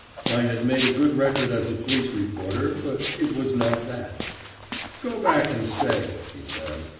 I had made a good record as a police reporter, but it was not that. "Go back and stay," he said.